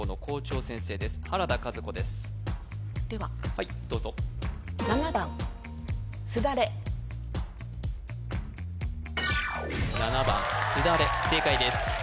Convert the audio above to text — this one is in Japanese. はいどうぞ７番すだれ正解です